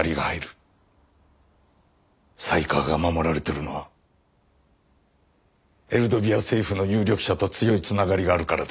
犀川が守られているのはエルドビア政府の有力者と強いつながりがあるからです。